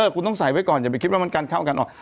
คุณต้องใส่ไว้ก่อนอย่าไปคิดว่ามันการเข้ากันออก